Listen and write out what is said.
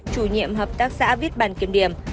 chủ nhiệm hợp tác xã viết bản kiểm điểm